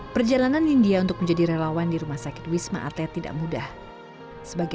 perjalanan india untuk menjadi relawan di rumah sakit wisma atlet tidak mudah sebagai